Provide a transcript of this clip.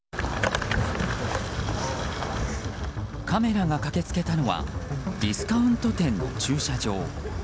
カメラが駆け付けたのはディスカウント店の駐車場。